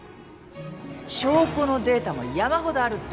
証拠のデータも山ほどあるって。